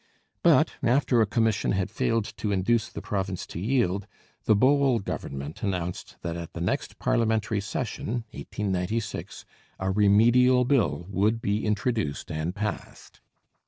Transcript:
But, after a commission had failed to induce the province to yield, the Bowell Government announced that at the next parliamentary session (1896) a Remedial Bill would be introduced and passed.